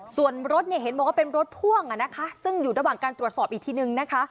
ส่วนรถเนี่ยเห็นบอกว่าเป็นรถพ่วงซึ่งอยู่ระหว่างการตรวจสอบอีกทีนึงนะคะ